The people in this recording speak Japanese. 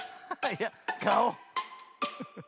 いやかお。